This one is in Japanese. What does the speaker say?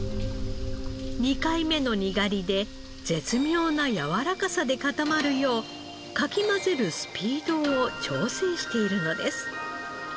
２回目のにがりで絶妙なやわらかさで固まるようかき混ぜるスピードを調整しているのです。